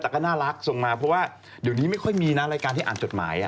แต่ก็น่ารักส่งมาเพราะว่าเดี๋ยวนี้ไม่ค่อยมีนะรายการที่อ่านจดหมาย